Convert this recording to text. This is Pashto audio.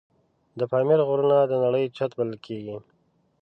د پامیر غرونه د نړۍ چت بلل کېږي.